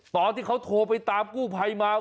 ตอนที่เขาโทรไปตามกู้ภัยมา